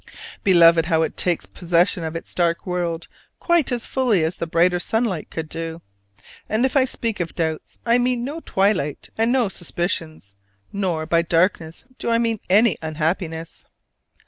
Beloved, how it takes possession of its dark world, quite as fully as the brighter sunlight could do. And if I speak of doubts, I mean no twilight and no suspicions: nor by darkness do I mean any unhappiness.